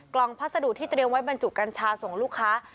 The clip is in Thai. พัสดุที่เตรียมไว้บรรจุกัญชาส่งลูกค้า